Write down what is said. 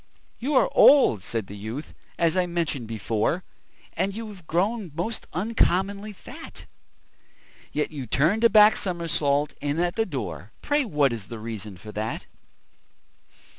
"You are old," said the youth, "as I mentioned before, And you have grown most uncommonly fat; Yet you turned a back somersault in at the door Pray what is the reason for that?"